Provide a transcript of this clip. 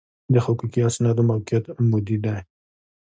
د حقوقي اسنادو موقعیت عمودي دی.